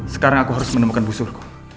sekarang aku harus menemukan busurku